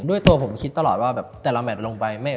ด้วยตัวผมคิดตลอดว่าแบบแต่ละแมทลงไป